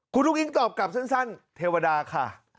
คุณอุ้งอิ๊งตอบกลับสั้นเทวดาค่ะ